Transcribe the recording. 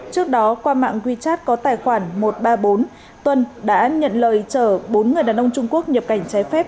trước đó qua mạng wechat có tài khoản một trăm ba mươi bốn tuân đã nhận lời chở bốn người đàn ông trung quốc nhập cảnh trái phép